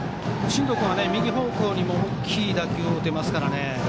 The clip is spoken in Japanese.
進藤君は右方向にも大きい打球を打てますから。